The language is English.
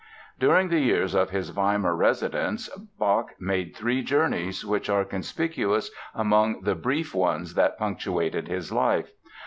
During the years of his Weimar residence Bach made three journeys which are conspicuous among the brief ones that punctuated his life.